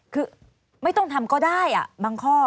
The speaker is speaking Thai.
คือไม่ต้องทำก็ได้บางข้อ